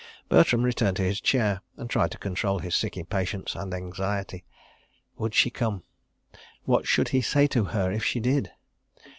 ... Bertram returned to his chair and tried to control his sick impatience and anxiety. Would she come? What should he say to her if she did?